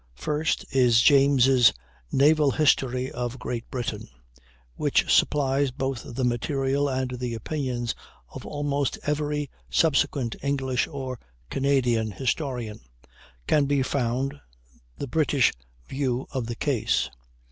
First, in James' "Naval History of Great Britain" (which supplies both the material and the opinions of almost every subsequent English or Canadian historian) can be found the British view of the case.